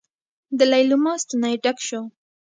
د ليلما ستونی ډک شو.